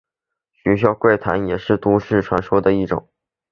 学校怪谈也是都市传说的一种。